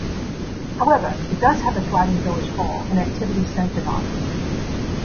However, it does have a thriving village hall and activities centred on it.